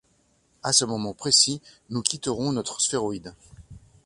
À ce moment précis, nous quitterons notre sphéroïde.